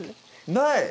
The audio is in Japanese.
ない！